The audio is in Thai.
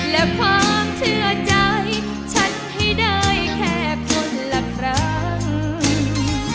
และความเชื่อใจฉันให้ได้แค่คนละครั้ง